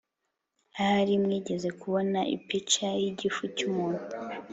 Ahari mwigeze kubona ipica yigifu cyumuntu